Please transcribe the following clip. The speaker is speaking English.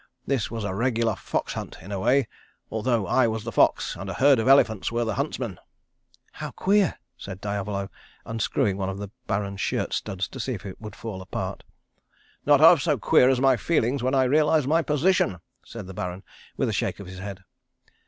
This was a regular fox hunt in a way, although I was the fox, and a herd of elephants were the huntsmen." "How queer," said Diavolo, unscrewing one of the Baron's shirt studs to see if he would fall apart. "Not half so queer as my feelings when I realised my position," said the Baron with a shake of his head.